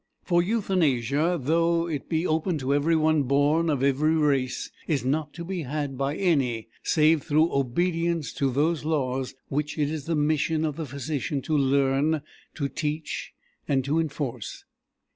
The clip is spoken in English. For Euthanasia, though it be open to every one born of every race, is not to be had by any save through obedience to those laws which it is the mission of the physician to learn, to teach, and to enforce.